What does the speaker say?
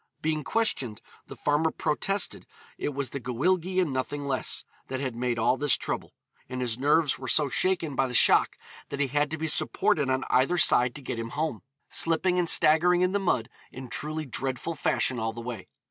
Being questioned, the farmer protested it was the Gwyllgi and nothing less, that had made all this trouble, and his nerves were so shaken by the shock that he had to be supported on either side to get him home, slipping and staggering in the mud in truly dreadful fashion all the way.